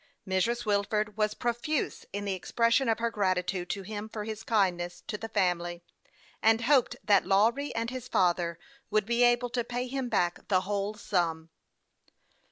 Mrs. Wilford was profuse in the expression of her gratitude to him for his kindness to the family, and hoped that Lawry and his father would be able to pay him back the whole sum.